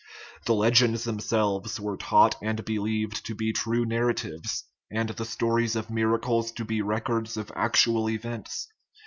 The legends themselves were taught and believed to be true nar ratives, and the stories of miracles to be records of act ual events.